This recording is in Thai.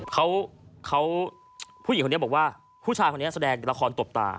เขาผู้หญิงคนนี้บอกว่าผู้ชายคนนี้แสดงละครตบตา